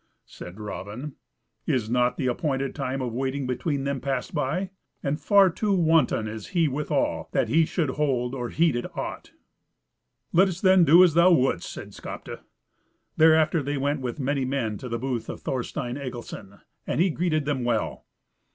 Said Raven, "Is not the appointed time of waiting between them passed by? And far too wanton is he withal, that he should hold or heed it aught." "Let us then do as thou wouldst," said Skapti. Thereafter they went with many men to the booth of Thorstein Egilson, and he greeted them well.